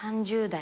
３０代。